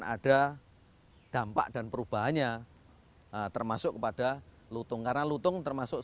saya pikir jangan tetap mengganggu pemandu pemandukan witch hutan lindung ivy surely